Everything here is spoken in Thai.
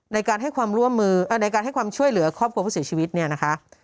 ในการให้ความช่วยเหลือครอบครัวพวกเสียชีวิตเนี่ยนะคะ